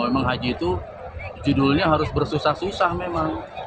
memang haji itu judulnya harus bersusah susah memang